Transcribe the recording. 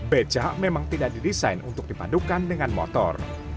becak memang tidak didesain untuk dipadukan dengan motor